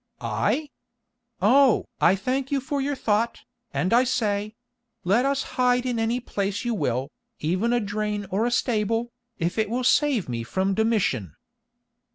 "I? Oh! I thank you for your thought, and I say—let us hide in any place you will, even a drain or a stable, if it will save me from Domitian."